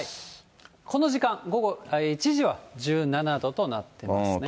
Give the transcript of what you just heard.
この時間、午後１時は１７度となっていますね。